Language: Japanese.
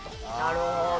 なるほど。